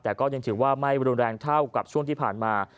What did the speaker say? แต่ก็ยังถือว่าไม่รุนแรงเท่ากับช่วงที่ผ่านมา